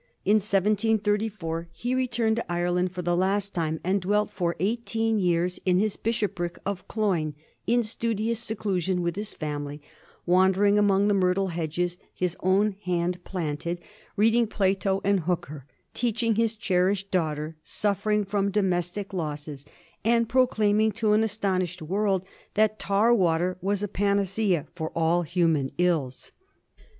In 1734 he returned to Ireland for the last time, and dwelt for eighteen years in his bishopric of Cloyne in studious seclusion with his family, wandering among the myrtle hedges his own hand planted, reading Plato and Hooker, teaching his cherished daughter, suffering from domestic losses, and proclaiming to an astounded world that tar water was a panacea for all human ills.